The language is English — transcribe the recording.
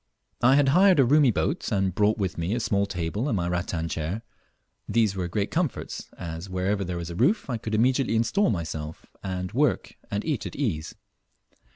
I had hired a roomy boat, and brought with me a small table and my rattan chair. These were great comforts, as, wherever there was a roof, I could immediately instal myself, and work and eat at ease.